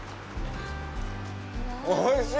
おいしい！